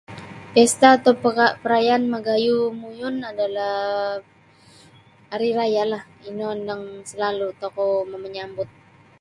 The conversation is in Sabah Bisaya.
Pista atau pera perayaan magayuh muyun adalah um Hari Raya lah um ino mimang selalu tokou miminyambut.